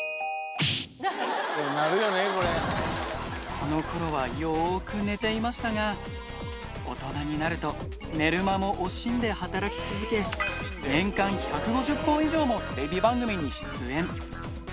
このころはよーく寝ていましたが、大人になると、寝る間も惜しんで働き続け、年間１５０本以上ものテレビ番組に出演。